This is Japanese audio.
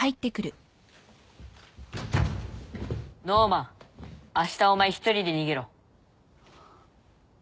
ノーマンあしたお前一人で逃げろ。